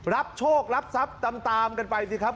รับโชครับทรัพย์ตามกันไปสิครับ